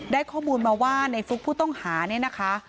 ได้ข้อมูลมาว่าในฟลุกผู้ต้องหา